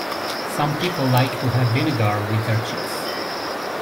Some people like to have vinegar with their chips